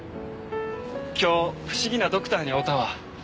今日不思議なドクターに会うたわ。